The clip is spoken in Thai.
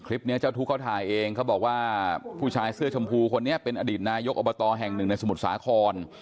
ล่ะคริปเนี่ยจะถูกเข้าถ่ายเองเขาบอกว่าผู้ชายเสื้อชมพูคนนี้เป็นอดีตนายกอบตแห่งหนึ่งในสมุทรสาครจะเห็นว่าใส่หน้ากากอันนาไม้